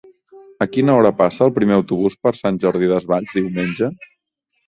A quina hora passa el primer autobús per Sant Jordi Desvalls diumenge?